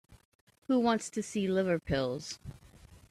Who wants to see liver pills?